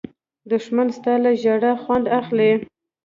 دښمن ستا له ژړا خوند اخلي